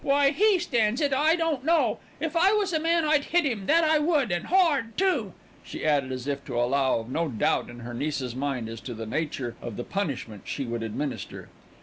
"Why he stands it I don't know. If I was a man I'd hit him, that I would, and hard too," she added as if to allow of no doubt in her niece's mind as to the nature of the punishment she would administer.